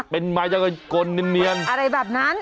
เป็นมายากลเนียนอะไรแบบนั้น